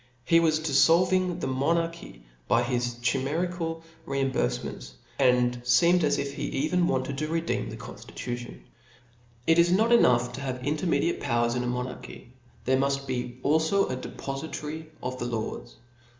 He was diflblving ^ the monarchy by his chimerical reimburfements, and feemed as if ^e even wanted to redeem the con ilitution. It is not enough to have intermediate powers in a monarchy , there muft be alfo a depofitary of the laws.